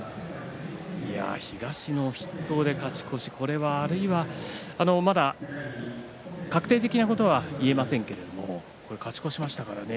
東の筆頭で勝ち越しまだ確定的なことは言えませんけれども勝ち越しましたからね。